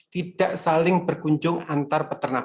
tidak saling berkunjung antar peternak